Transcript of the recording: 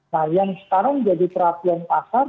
nah yang sekarang jadi perhatian pasar